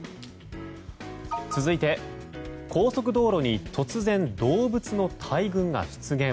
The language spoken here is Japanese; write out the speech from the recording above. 続いて、高速道路に突然動物の大群が出現。